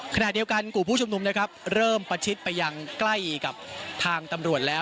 ขณะเดียวกันกลุ่มผู้ชุมนุมนะครับเริ่มประชิดไปยังใกล้กับทางตำรวจแล้ว